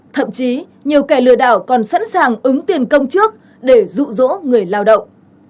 thậm chí nhiều kẻ lừa đảo còn sẵn sàng ứng tiền công trước để rụ rỗ người lao động